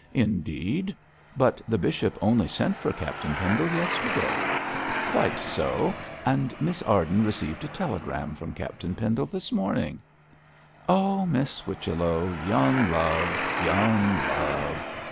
'Indeed! But the bishop only sent for Captain Pendle yesterday.' 'Quite so; and Miss Arden received a telegram from Captain Pendle this morning.' 'Ah! Miss Whichello, young love! young love!'